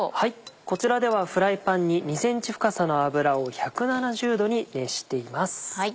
こちらではフライパンに２ｃｍ深さの油を１７０℃に熱しています。